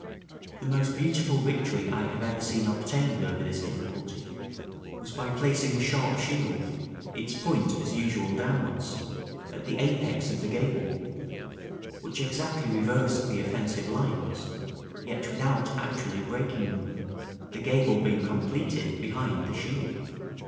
The most beautiful victory I have ever seen obtained over this difficulty was by placing a sharp shield, its point, as usual, downwards, at the apex of the gable, which exactly reversed the offensive lines, yet without actually breaking them; the gable being completed behind the shield.